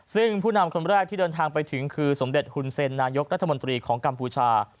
ซึ่งผู้นำคนแรกที่เดินทางไปถึงคือสมเด็จฮุนเซ็นนายกรัฐมนตรีของกัมพูชา